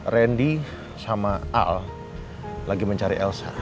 randy sama al lagi mencari elsa